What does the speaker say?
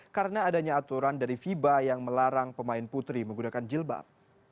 karena adanya aturan dari fiba yang melarang pemain putri menggunakan jilbab